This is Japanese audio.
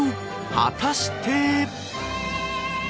果たして。